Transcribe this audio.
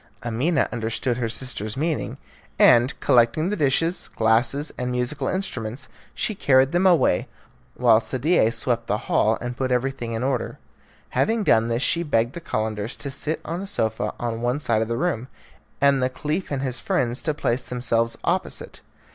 Amina understood her sister's meaning, and collecting the dishes, glasses, and musical instruments, she carried them away, while Sadie swept the hall and put everything in order. Having done this she begged the Calenders to sit on a sofa on one side of the room, and the Caliph and his friends to place themselves opposite.